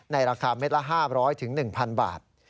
ในราคาเมตรละ๕๐๐๑๐๐๐บาท